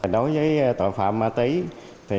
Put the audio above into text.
đối với tội phạm ma túy